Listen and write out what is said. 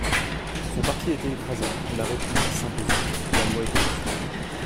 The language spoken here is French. Son parti était écrasé, la République s'imposait, la loi était consolidée.